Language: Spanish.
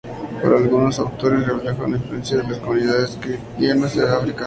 Para algunos autores refleja una influencia de las comunidades cristianas de África.